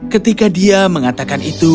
ketika dia mengatakan itu